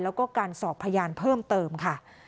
แล้วก็การสอบพยานเพิ่มเติมค่ะ